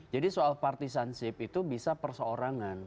jadi soal partisansip itu bisa perseorangan